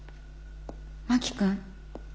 真木君。